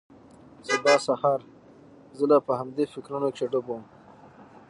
سبا سهار زه لا په همدې فکرونو کښې ډوب وم.